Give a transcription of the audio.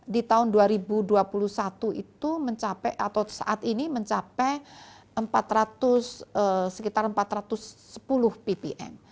di tahun dua ribu dua puluh satu itu mencapai atau saat ini mencapai sekitar empat ratus sepuluh ppm